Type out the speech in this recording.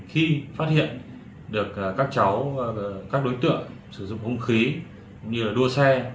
khi phát hiện được các đối tượng sử dụng hung khí như đua xe